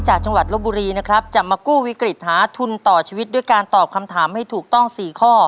จังหวัดลบบุรีนะครับจะมากู้วิกฤตหาทุนต่อชีวิตด้วยการตอบคำถามให้ถูกต้อง๔ข้อ